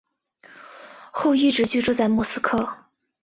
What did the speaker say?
后一直居住在莫斯科。